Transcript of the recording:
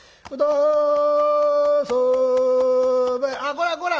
「こらこら！